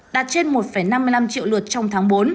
đạt trên một năm mươi năm triệu lượt trong tháng bốn